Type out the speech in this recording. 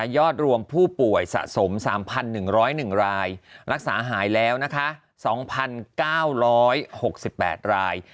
อดรวมผู้ป่วยสะสม๓๑๐๑รายรักษาหายแล้วนะคะ๒๙๖๘ราย